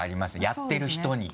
やってる人に。